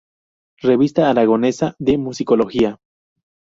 Revista Aragonesa de Musicología".